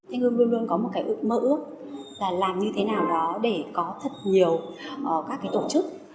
anh hương luôn luôn có một ước mơ ước là làm như thế nào đó để có thật nhiều các tổ chức